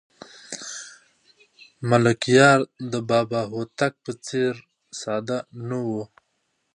ملکیار د بابا هوتک په څېر ساده نه و.